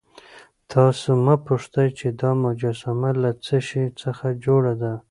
تاسو مه پوښتئ چې دا مجسمه له څه شي څخه جوړه ده.